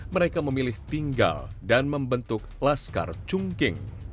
mereka memilih tinggal dan membentuk laskar cungking